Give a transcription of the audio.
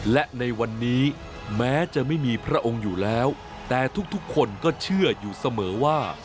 และในวันนี้แม้จะไม่มีพระองค์อยู่แล้วแต่ทุกคนก็เชื่ออยู่เสมอว่า